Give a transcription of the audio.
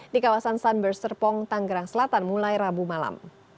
di kawasan san berserpong tanggerang selatan mulai rabu malam